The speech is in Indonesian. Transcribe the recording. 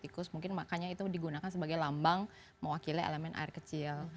tikus mungkin makanya itu digunakan sebagai lambang mewakili elemen air kecil